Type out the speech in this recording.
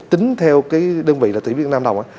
tính theo cái đơn vị là tỷ việt nam đồng